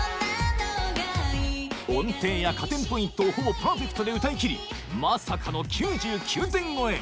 音程や加点ポイントをほぼパーフェクトで歌い切りまさかの９９点超え